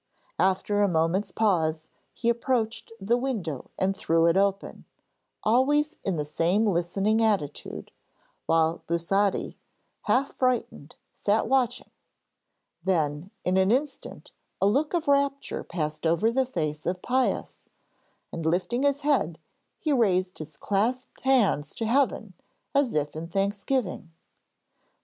After a moment's pause he approached the window and threw it open, always in the same listening attitude, while Busotti, half frightened, sat watching. Then in an instant a look of rapture passed over the face of Pius, and lifting his head he raised his clasped hands to Heaven as if in thanksgiving.